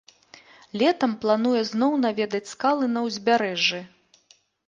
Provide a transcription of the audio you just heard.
Летам плануе зноў наведаць скалы на ўзбярэжжы.